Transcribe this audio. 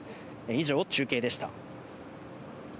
以上、中継でした。